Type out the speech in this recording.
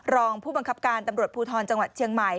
รองผู้บังคับการตำรวจภูทรจังหวัดเชียงใหม่